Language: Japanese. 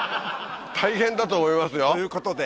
大変だと思いますよ。ということで。